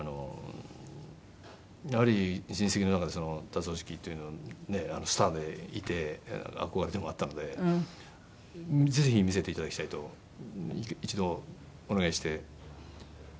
やはり親戚の中で辰おじきというのはねえスターでいて憧れでもあったのでぜひ見せて頂きたいと一度お願いして見せて頂いたんです。